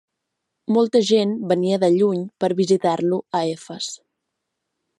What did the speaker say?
Molta gent venia de lluny per visitar-lo a Efes.